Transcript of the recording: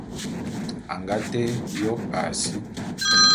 A nga té yôp a si.